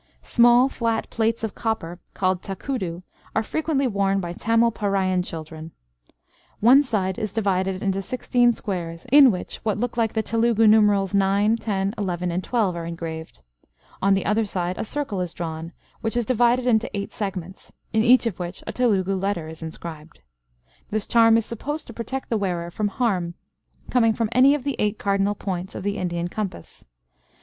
Small flat plates of copper, called takudu, are frequently worn by Tamil Paraiyan children. One side is divided into sixteen squares in which what look like the Telugu numerals nine, ten, eleven and twelve, are engraved. On the other side a circle is drawn, which is divided into eight segments, in each of which a Telugu letter is inscribed. This charm is supposed to protect the wearer from harm coming from any of the eight cardinal points of the Indian compass.